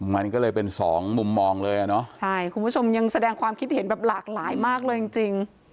มันก็เลยเป็นสองมุมมองเลยอ่ะเนอะใช่คุณผู้ชมยังแสดงความคิดเห็นแบบหลากหลายมากเลยจริงจริง